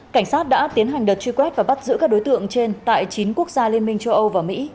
cảnh sát đã tiến hành đợt truy quét và bắt giữ các đối tượng trên tại chín quốc gia liên minh châu âu và mỹ